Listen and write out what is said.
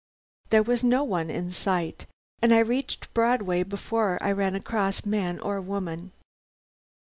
"There was no one in sight, and I reached Broadway before I ran across man or woman.